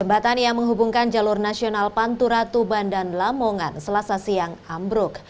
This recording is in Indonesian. jembatan yang menghubungkan jalur nasional pantura tuban dan lamongan selasa siang ambruk